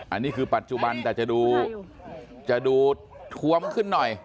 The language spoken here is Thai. อันนี้คือปัจจุบันแต่จะดูจะดูทวมขึ้นหน่อย